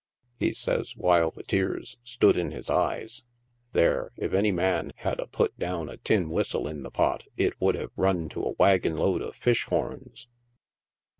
He says, while the tears stood in his eyes, " there, if any man had a put down a tin whistle in the pot, it would have run to a wagon load of fish horns."